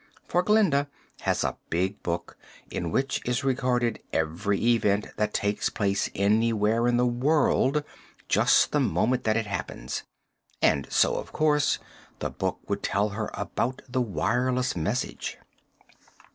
For Glinda has a big book in which is recorded every event that takes place anywhere in the world, just the moment that it happens, and so of course the book would tell her about the wireless message.